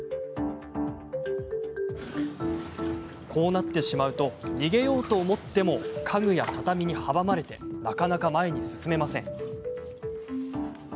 こうなってしまうと逃げようと思っても家具や畳に阻まれてなかなか前に進めません。